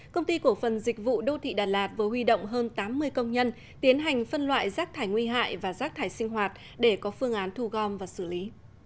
công ty cổ phần dịch vụ đô thị đà lạt vừa huy động hơn tám mươi công nhân tiến hành phân loại rác thải nguy hại và rác thải sinh hoạt để có phương án thu gom và xử lý